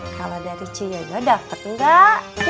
kalau dari ciyo juga dapet gak